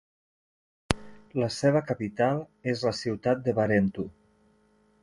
La seva capital és la ciutat de Barentu.